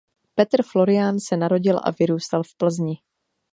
Petr Florián se narodil a vyrůstal v Plzni.